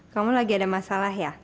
kamu lagi ada masalah ya